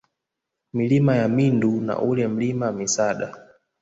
Milima ya Mindu na ule Mlima Misada